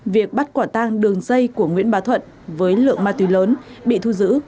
việc bắt quả tang đường dây của nguyễn bà thuận với lượng ma túy lớn bị thu giữ